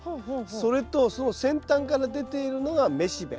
それとその先端から出ているのが雌しべ。